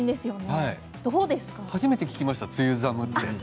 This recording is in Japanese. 初めて聞きました梅雨寒って。